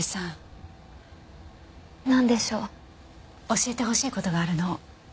教えてほしい事があるの。